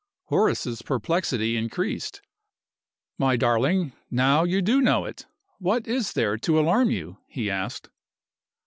Horace's perplexity increased. "My darling, now you do know it, what is there to alarm you?" he asked.